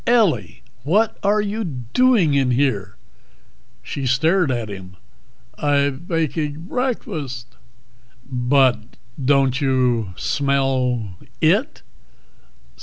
"Ellie, what are you doing in here?" She stared at him. "I'b baking breakfast." "But don't you smell it?"